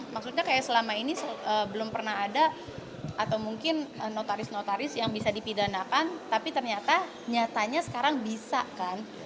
maksudnya kayak selama ini belum pernah ada atau mungkin notaris notaris yang bisa dipidanakan tapi ternyata nyatanya sekarang bisa kan